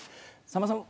さんまさん